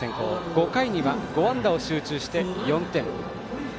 ５回には５安打を集中して４点。